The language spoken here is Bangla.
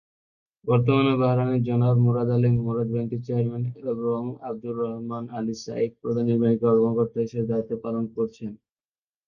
বর্তমানে বাহরাইনের জনাব মুরাদ আলী মুরাদ ব্যাংকটির চেয়ারম্যান এবং আব্দুর রহমান আলী সাইফ প্রধান নির্বাহী কর্মকর্তা হিসেবে দায়িত্ব পালন করছেন।